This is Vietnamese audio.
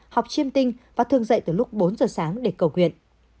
học chiêm tinh và thường dậy từ lúc bốn giờ sáng để cầu nguyện